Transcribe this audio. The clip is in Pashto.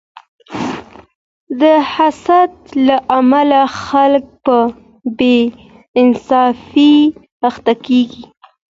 د حسد له امله خلک په بې انصافۍ اخته کیږي.